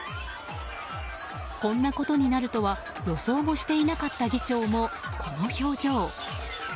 こんなことになるとは予想もしていなかった議長もこの表情。